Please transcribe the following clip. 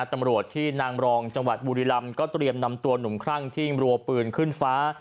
ตำรวจที่นางรองจังหวัดบุรีรำก็เตรียมนำตัวหนุ่มคลั่งที่รัวปืนขึ้นฟ้า